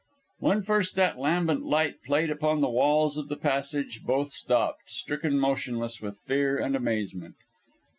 When first that lambent light played upon the walls of the passage both stopped, stricken motionless with fear and amazement.